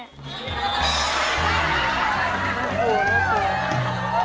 เขามารับลูกเขา